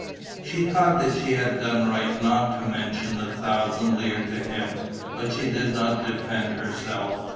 She thought that she had done right not to mention the thousand lire to him, but she did not defend herself.